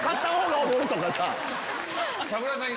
櫻井さん